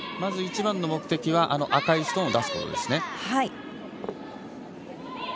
一番の目的は赤いストーンを出すことですね。